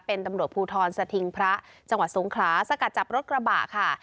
เป็นตำรวจภูทรสถิงพระจังหวัดสงขลาสกัดจับรถกระบะค่ะ